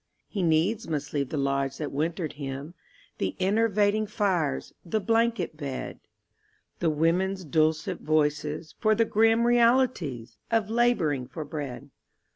He needs must leave the lodge that wintered him, The enervating fires, the blanket bed The women's dulcet voices, for the grim Realities of labouring for bread.